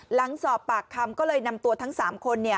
หลังสอบปากคำก็เลยนำตัวทั้ง๓คน